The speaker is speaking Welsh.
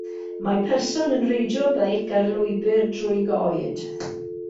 Mae person yn reidio beic ar lwybr drwy goed